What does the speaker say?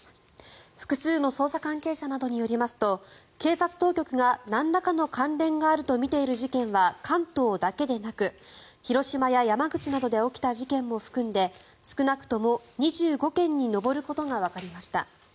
複数の捜査関係者などによりますと警察当局がなんらかの関連があるとみている事件は関東だけでなく広島や山口などで起きた事件も含んで少なくとも２５件に上ることがわかりました。